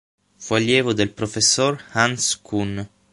Fu allievo del professor Hans Kuhn.